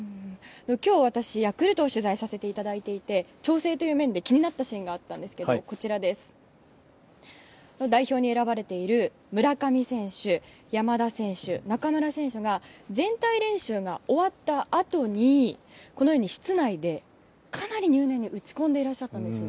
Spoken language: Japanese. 今日、私はヤクルトを取材させていただいていて調整という面で気になったシーンがあったんですが代表に選ばれている村上選手山田選手、中村選手が全体練習が終わったあとにこのように室内でかなり入念に打ち込んでいらっしゃったんです。